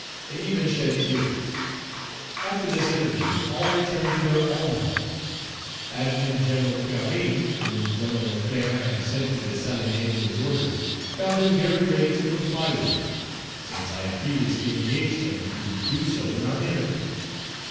They even shed tears. After this interview, all returned to their own homes. Adjutant General Perrin, whom Gen. Leclerc had sent to Dessalines with his orders, found him very ready to comply with them, since I had previously engaged him to do so in our interview.